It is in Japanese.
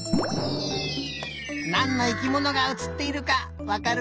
なんの生きものがうつっているかわかるかな？